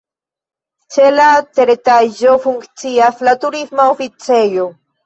Ĉe la teretaĝo funkcias la Turisma Oficejo.